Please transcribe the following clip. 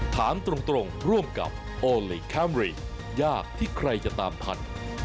ถามตรงร่วมกับโอลี่คัมรี่ยากที่ใครจะตามทัน